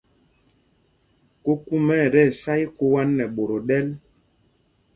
Kūkūmā ɛ tí sá íkuǎ nɛ ɓot o ɗɛ̄l.